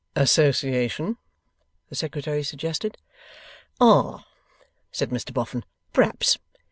'Association?' the Secretary suggested. 'Ah!' said Mr Boffin. 'Perhaps.